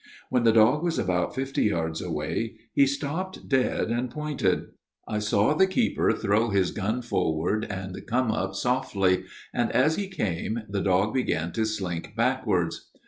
" When the dog was about fifty yards away he stopped dead, and pointed. " I saw the keeper throw his gun forward and come up softly ; and as he came the dog began to slink backwards.